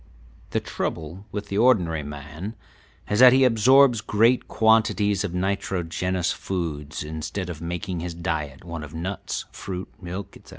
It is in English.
The trouble with the ordinary man is that he absorbs great quantities of nitrogenous foods instead of making his diet one of nuts, fruit, milk, etc.